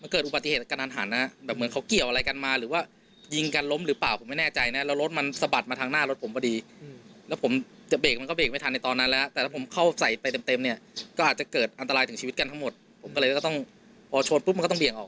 ก็จะเกิดอันตรายถึงชีวิตทั้งหมดผมก็เลยก็ต้องอร่อยชนตัวต้องเบียงออก